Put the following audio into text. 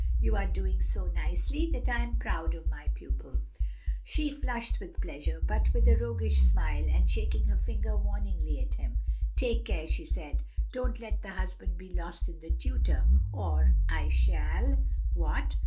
You are doing so nicely that I am very proud of my pupil." She flushed with pleasure, but with a roguish smile, and shaking her finger warningly at him, "Take care," she said, "don't let the husband be lost in the tutor, or I shall " "What?